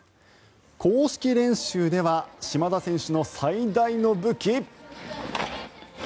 公式練習では島田選手の最大の武器。